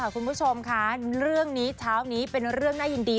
คุณผู้ชมค่ะเรื่องนี้เช้านี้เป็นเรื่องน่ายินดี